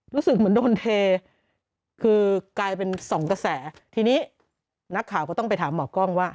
รู้สึกเหมือนโดนเทคือกลายเป็นสองกระแสทีนี้นักข่าวก็ต้องไปถามหมอกล้องว่า